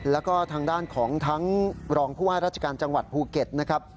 แล้วก็ทางด้านของทั้งรองผู้ว่าราชการจังหวัดภูเก็ตนะครับ